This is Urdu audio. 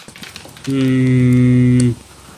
جب ہر طرف ناامیدی چھائی ہوئی تھی۔